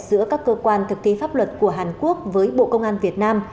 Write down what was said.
giữa các cơ quan thực thi pháp luật của hàn quốc với bộ công an việt nam